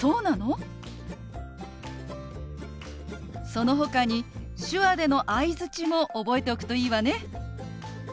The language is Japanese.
そのほかに手話での相づちも覚えておくといいわね。